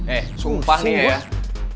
eh sumpah nih ya